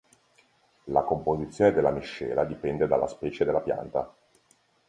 La composizione della miscela dipende dalla specie della pianta.